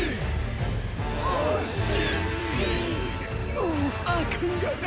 もうあかんがな。